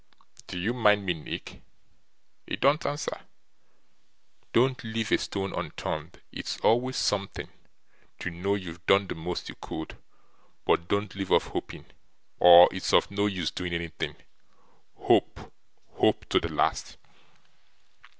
Do you mind me, Nick? It don't answer. Don't leave a stone unturned. It's always something, to know you've done the most you could. But, don't leave off hoping, or it's of no use doing anything. Hope, hope, to the last!